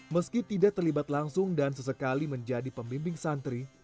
meski tidak terlibat langsung dan sesekali menjadi pembimbing santri